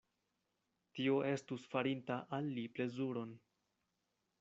Tio estus farinta al li plezuron.